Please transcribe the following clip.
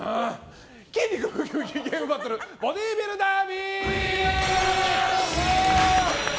筋肉ムキムキゲームバトルボディービルダービー！